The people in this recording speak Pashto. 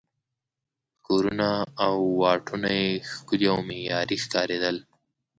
کورونه او واټونه یې ښکلي او معیاري ښکارېدل.